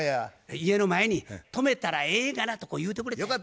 「家の前に止めたらええがな」とこう言うてくれたんや。